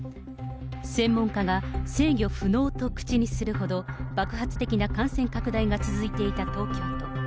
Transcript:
専門家が制御不能と口にするほど、爆発的な感染拡大が続いていた東京都。